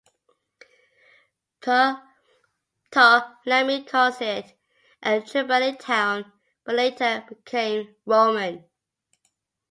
Ptolemy calls it a Triballian town, but it later became Roman.